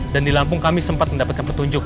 dan di lampung kami sempat mendapatkan petunjuk